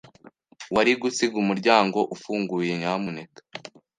Wari gusiga umuryango ufunguye, nyamuneka?